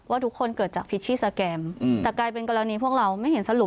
ทุกคนเกิดจากพิชชี่สแกรมแต่กลายเป็นกรณีพวกเราไม่เห็นสรุป